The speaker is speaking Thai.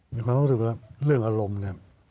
มีความรู้สึกว่าเรื่องอารมณ์เนี่ย